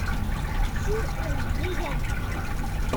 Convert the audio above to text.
She is vegan.